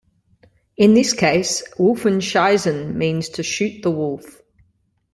In this case, Wolfenschiessen means to shoot the wolf.